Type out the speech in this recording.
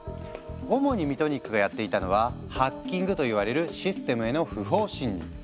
主にミトニックがやっていたのは「ハッキング」といわれるシステムへの不法侵入。